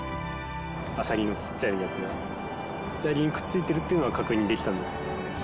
あさりのちっちゃいやつが砂利にくっついてるっていうのは確認できたんです。